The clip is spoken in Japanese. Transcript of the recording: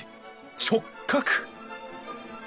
直角！